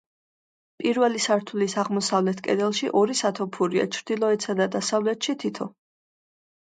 პირველი სართულის აღმოსავლეთ კედელში ორი სათოფურია, ჩრდილოეთსა და დასავლეთში თითო.